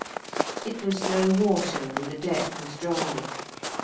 It was low water, and the deck was dry.